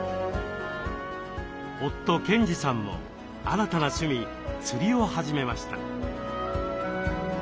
夫・賢治さんも新たな趣味釣りを始めました。